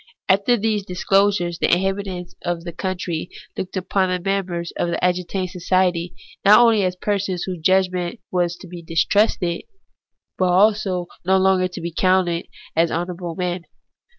After these disclosures the inhabitants of that country looked upon the members of the agitating society, not only as persons whose judgment was to be distrusted, but also as no longer to be counted honour able men.